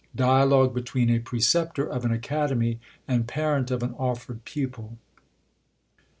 Dialogue between* a Preceptor of an Academy, AND Parent of an offered Pupil.